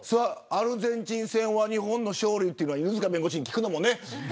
アルゼンチン戦は日本の勝利というのは犬塚弁護士に聞くのもね。